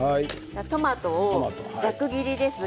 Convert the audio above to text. トマト、ざく切りです。